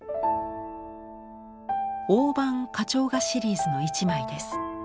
大判花鳥画シリーズの一枚です。